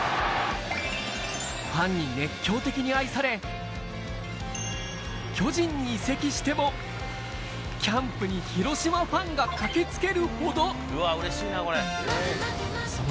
ファンに熱狂的に愛され、巨人に移籍しても、キャンプに広島ファンが駆けつけるほど。